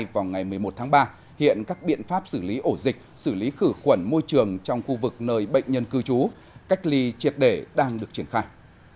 vào ngày một mươi một tháng ba hiện các biện pháp xử lý ổ dịch xử lý khử khuẩn môi trường trong khu vực nơi bệnh nhân cư trú cách ly triệt để đang được triển khai